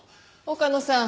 岡野さん